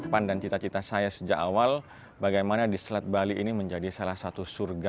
pan dan cita cita saya sejak awal bagaimana di selat bali ini menjadi salah satu surga